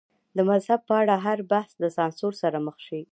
د مذهب په اړه هر بحث له سانسور سره مخ شي.